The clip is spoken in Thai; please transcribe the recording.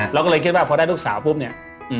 เราก็เลยคิดว่าพอได้ลูกสาวปุ๊บเนี่ย